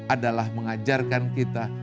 adalah mengajarkan kita